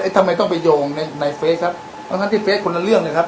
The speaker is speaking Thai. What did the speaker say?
เอ๊ะทำไมต้องไปโยงในในเฟซครับดังนั้นที่เฟซคนละเรื่องเลยครับ